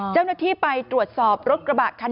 เจ้าหน้าที่ไปตรวจสอบรถกระบะคัน